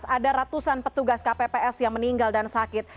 ada ratusan petugas kpps yang meninggal dan sakit